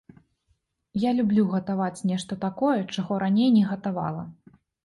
Я люблю гатаваць нешта такое, чаго раней не гатавала.